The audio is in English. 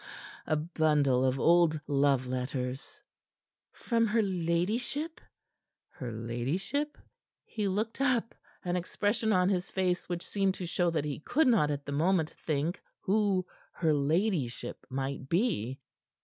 "A bundle of old love letters." "From her ladyship?" "Her ladyship?" He looked up, an expression on his face which seemed to show that he could not at the moment think who her ladyship might be.